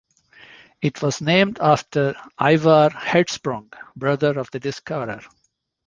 It was named after Ivar Hertzsprung, brother of the discoverer.